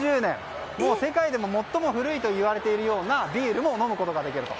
世界でも最も古いといわれているようなビールも飲むことができる。